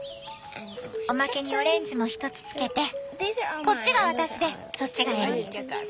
おまけにオレンジも１つつけてこっちが私でそっちがエリー。